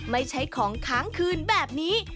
ไม่ใช่ของค้างคืนแบบนี้